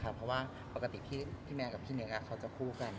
เพราะว่าปกติพี่แมวกับพี่เนกเขาจะคู่กัน